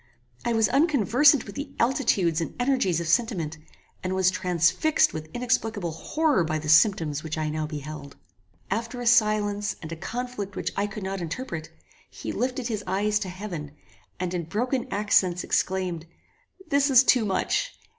I was unconversant with the altitudes and energies of sentiment, and was transfixed with inexplicable horror by the symptoms which I now beheld. After a silence and a conflict which I could not interpret, he lifted his eyes to heaven, and in broken accents exclaimed, "This is too much!